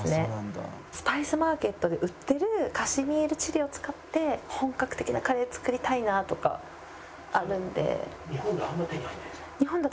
スパイスマーケットで売ってるカシミールチリを使って本格的なカレー作りたいなとかあるんで。